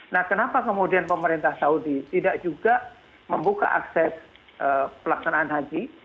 nah kenapa kemudian pemerintah saudi tidak juga membuka akses pelaksanaan haji